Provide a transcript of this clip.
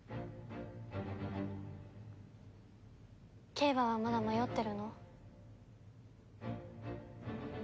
景和はまだ迷ってるの？